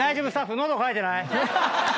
喉渇いてない？